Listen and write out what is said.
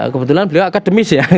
kebetulan beliau akademis ya